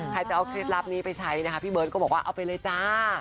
ใครจะเอาเคล็ดลับนี้ไปใช้นะคะพี่เบิร์ตก็บอกว่าเอาไปเลยจ้า